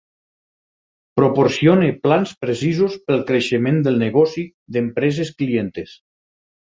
Proporciona plans precisos pel creixement del negoci d'empreses clientes.